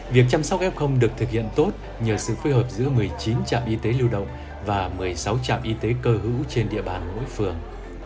việc chăm sóc f được thực hiện tốt nhờ sự phối hợp giữa một mươi chín trạm y tế lưu động và một mươi sáu trạm y tế cơ hữu trên địa bàn mỗi phường